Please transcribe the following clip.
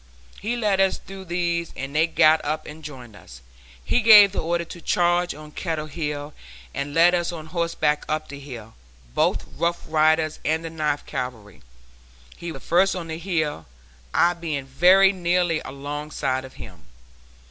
He led us through these and they got up and joined us. He gave the order to charge on Kettle Hill, and led us on horseback up the hill, both Rough Riders and the Ninth Cavalry. He was the first on the hill, I being very nearly alongside of him.